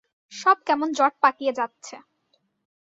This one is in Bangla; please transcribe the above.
সব কেমন জট পাকিয়ে যাচ্ছে।